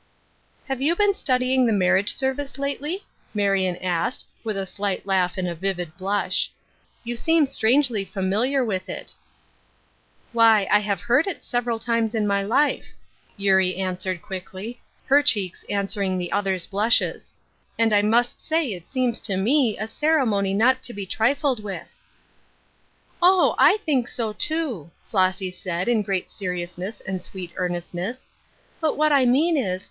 " Have you been studying the marriage ser vice lately?" Marion asked, with a light laugh an<i a vivid blush. " You seem strangely famil iar with it." " Why, I have heard it several times in my life," Eurie answered, quickly, her cheeks an swering the other's blushes. " And I must say it seems to me a ceremony not to be trifled with." " Oh, I think so too I " Flossy said, in great seriousness and sweet earnestness. " But what I mean is.